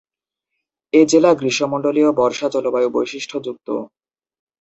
এ জেলা গ্রীষ্মমন্ডলীয় বর্ষা জলবায়ু বৈশিষ্ট্যযুক্ত।